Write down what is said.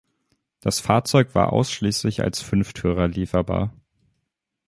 Das Fahrzeug war ausschließlich als Fünftürer lieferbar.